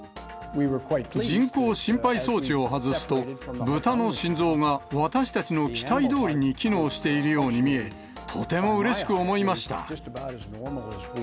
人工心肺装置を外すと、ブタの心臓が私たちの期待どおりに機能しているように見え、とてもうれしく思いました。